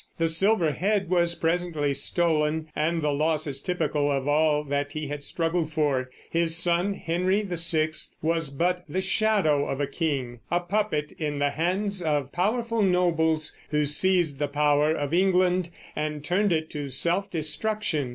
The silver head was presently stolen, and the loss is typical of all that he had struggled for. His son, Henry VI, was but the shadow of a king, a puppet in the hands of powerful nobles, who seized the power of England and turned it to self destruction.